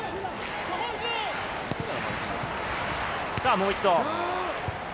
もう一度。